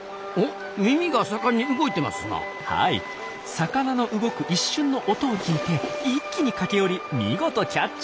魚の動く一瞬の音を聞いて一気に駆け寄り見事キャッチ！